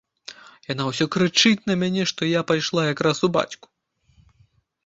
Яна ўсё крычыць на мяне, што я пайшла якраз у бацьку!